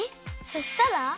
そしたら？